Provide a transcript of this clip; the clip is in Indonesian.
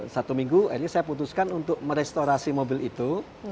satu minggu akhirnya saya putuskan untuk merestorasi mobil itu